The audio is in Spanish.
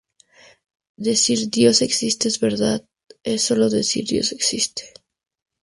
Decir, "Dios existe, es verdad" es solo decir, "Dios existe".